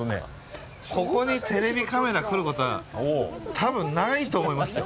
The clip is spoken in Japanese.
ここにテレビカメラ来ることは多分ないと思いますよ。